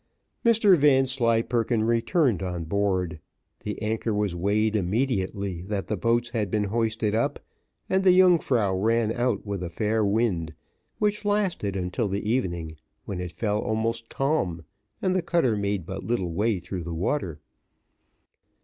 Mr Vanslyperken returned on board; the anchor was weighed immediately that the boats had been hoisted up, and the Yungfrau ran out with a fair wind, which lasted until the evening, when it fell almost calm, and the cutter made but little way through the water.